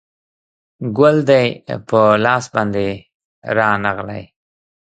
ګل دې په لاس باندې رانغلی